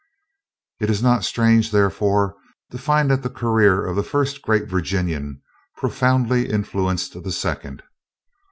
It is not strange, therefore, to find that the career of the first great Virginian profoundly influenced the second.